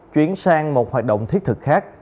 chuyển sang một hoạt động thiết thực khác